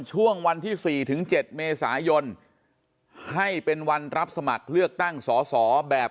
ช่วงวันที่๔ถึง๗เมษายนให้เป็นวันรับสมัครเลือกตั้งสอสอแบบ